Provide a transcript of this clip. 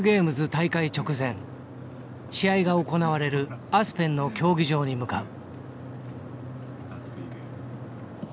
大会直前試合が行われるアスペンの競技場に向かう。